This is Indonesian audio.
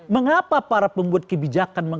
mengapa para pembuat kebijakan